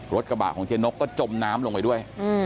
รถกระบะของเจ๊นกก็จมน้ำลงไปด้วย